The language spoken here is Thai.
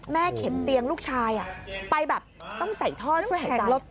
เข็นเตียงลูกชายไปแบบต้องใส่ท่อช่วยหายใจ